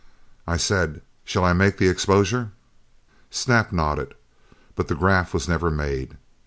I said, "Shall I make the exposure?" Snap nodded. But that 'graph was never made.